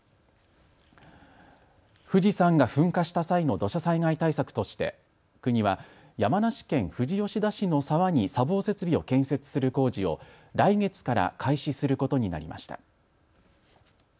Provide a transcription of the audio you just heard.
富士山が噴火した際の土砂災害対策として、国は山梨県富士吉田市の沢に砂防設備を建設する工事を来月から開始することになりました。